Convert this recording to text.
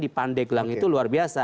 di pandeglang itu luar biasa